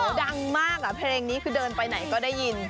คือดังมากอ่ะเพลงนี้คือเดินไปไหนก็ได้ยิน